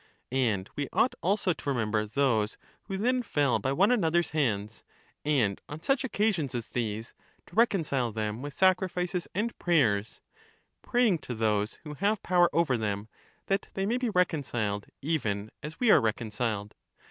And we ought also to remember those who then fell by one another's hands, and on such occasions as these to reconcile them with sacrifices and prayers, praying to those who have power over them, that they may be reconciled even as we are reconciled.